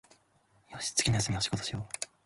よし、次の休みは仕事しよう